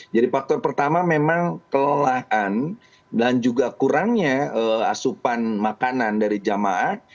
faktor pertama memang kelelahan dan juga kurangnya asupan makanan dari jamaah